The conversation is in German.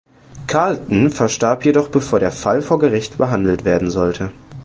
Carleton verstarb jedoch bevor der Fall vor Gericht behandelt werden sollte.